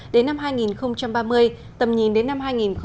đến năm hai nghìn ba mươi tầm nhìn đến năm hai nghìn bốn mươi năm